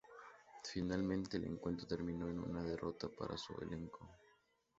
Finalmente, el encuentro terminó en una derrota para su elenco.